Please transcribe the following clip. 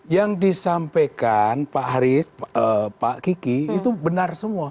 yang disampaikan pak haris pak kiki itu benar semua